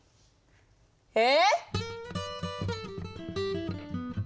え？